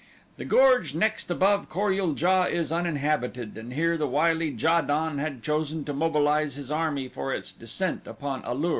The gorge next above Kor ul JA is uninhabited and here the wily Ja don had chosen to mobilize his army for its descent upon A lur.